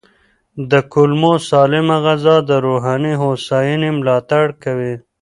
د کولمو سالمه غذا د رواني هوساینې ملاتړ کوي.